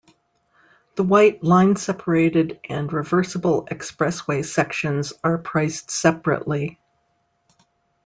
The white line-separated and reversible expressway sections are priced separately.